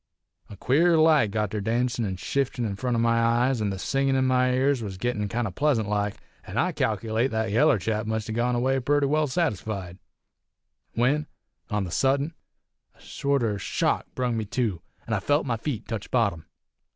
A queer light got ter dancin' an' shiftin' front o' my eyes, an' the singin' in my ears was gittin' kind o' pleasant like, an' I calc'late that yaller chap must a gone away purty well satisfied; when, on the suddent, a sorter shock brung me to, an' I felt my feet tech bottom.